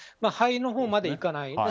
肺のほうまでいかない。